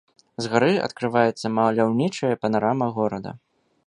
З гары адкрываецца маляўнічая панарама горада.